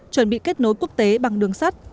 chuẩn bị kết nối quốc tế bằng đường sắt